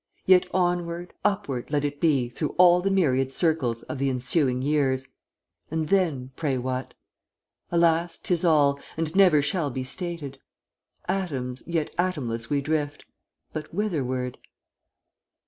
Yet onward, upward let it be Through all the myriad circles Of the ensuing years And then, pray what? Alas! 'tis all, and never shall be stated. Atoms, yet atomless we drift, But whitherward?